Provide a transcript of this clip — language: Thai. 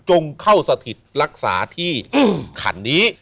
เข้าสถิตรักษาที่ขันนี้